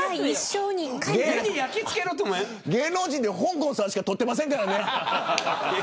芸能人でほんこんさんしか撮ってませんからね。